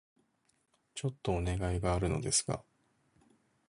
ちょっとお願いがあるのですが...